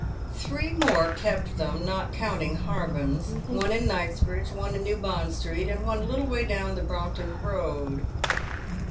"Three more kept them, not counting Harbens: one in Knightsbridge, one in New Bond Street, and one a little way down the Brompton Road."